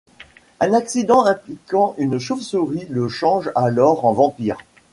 Un accident impliquant une chauve-souris le change alors en vampire.